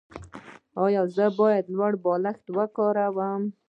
ایا زه باید لوړ بالښت وکاروم؟